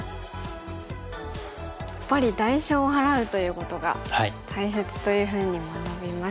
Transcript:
やっぱり代償を払うということが大切というふうに学びましたが。